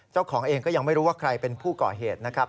เจ้าของเองก็ยังไม่รู้ว่าใครเป็นผู้ก่อเหตุนะครับ